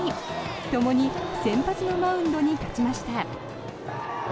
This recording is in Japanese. ともに先発のマウンドに立ちました。